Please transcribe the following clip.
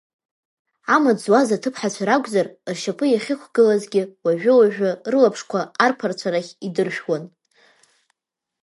Амаҵ зуаз аҭыԥҳацәа ракәзар, ршьапы иахьықәгылазгьы, уажәы-уажәы рылаԥшқәа арԥарцәа рахь идыршәуан.